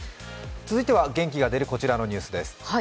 続いては元気が出るこちらのニュースです。